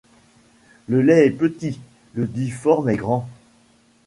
Le laid est petit, le difforme est grand.